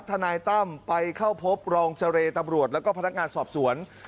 นายตั้มไปเข้าพบรองเจรตำรวจแล้วก็พนักงานสอบสวน